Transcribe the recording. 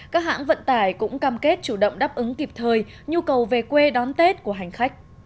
các hãng vận tải cũng cam kết chủ động đáp ứng kịp thời nhu cầu về quê đón tết của hành khách